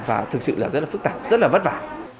và thực sự là rất là phức tạp rất là vất vả